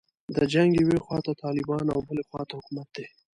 د جنګ یوې خواته طالبان او بلې خواته حکومت دی.